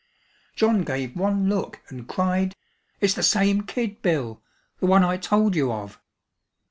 John gave one look and cried: "It's the same kid, Bill! The one I told you of!"